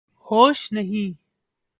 ہوش نہیں